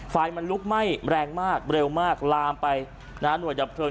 ไฟมันลุกไหม้แรงมากเร็วมากลามไปนะฮะหน่วยดับเพลิง